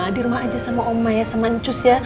di rumah aja sama oma ya sama ncus ya